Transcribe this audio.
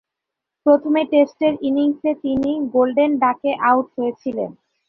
প্রথম টেস্টের ইনিংসে তিনি গোল্ডেন ডাকে আউট হয়েছিলেন।